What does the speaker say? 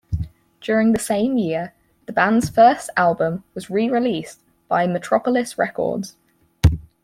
During the same year the band's first album was rereleased by Metropolis Records.